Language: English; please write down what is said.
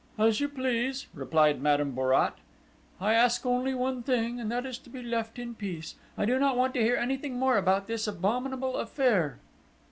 "As you please," replied Madame Bourrat. "I ask only one thing and that is to be left in peace. I do not want to hear anything more about this abominable affair!"